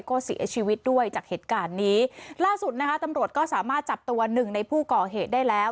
ก็เสียชีวิตด้วยจากเหตุการณ์นี้ล่าสุดนะคะตำรวจก็สามารถจับตัวหนึ่งในผู้ก่อเหตุได้แล้ว